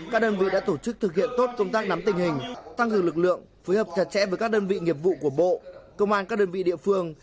các đơn vị đã tổ chức thực hiện tốt công tác nắm tình hình tăng cường lực lượng phối hợp chặt chẽ với các đơn vị nghiệp vụ của bộ công an các đơn vị địa phương